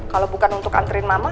kalau bukan untuk antri mama